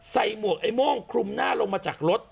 หมวกไอ้โม่งคลุมหน้าลงมาจากรถ